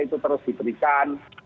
itu terus diberikan